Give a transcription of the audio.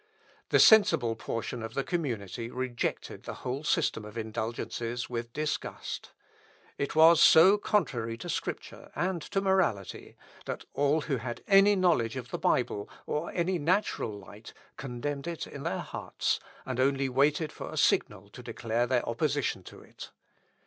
The sensible portion of the community rejected the whole system of indulgences with disgust. It was so contrary to Scripture and to morality, that all who had any knowledge of the Bible, or any natural light, condemned it in their hearts, and only waited for a signal to declare their opposition to it.